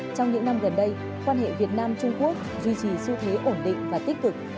trong những năm gần đây quan hệ việt nam trung quốc duy trì xu thế ổn định và tích cực